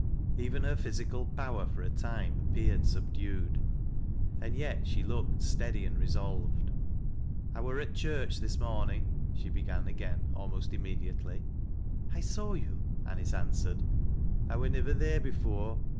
Even her physical power for a time appeared Bubdued. And yet she looked steady and resolved. " I wur at church this mornin'," she began again almost immediately. " I saw you," Anice answered. " I wur nivver theer before.